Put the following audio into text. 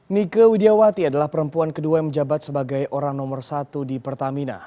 nike widiawati adalah perempuan kedua yang menjabat sebagai orang nomor satu di pertamina